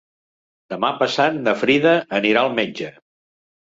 Demà passat na Frida anirà al metge.